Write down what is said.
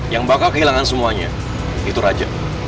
yang bakal kehilangan semuanya itu raja